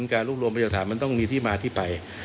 การรวบรวมพยาฐานมันต้องมีที่มาที่ไป